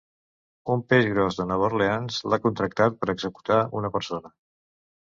Un peix gros de Nova Orleans l'ha contractat per executar una persona.